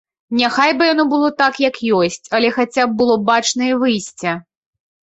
Няхай бы яно было так, як ёсць, але хаця б было бачнае выйсце.